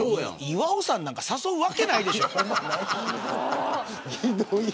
岩尾さんなんか誘うわけないでしょ。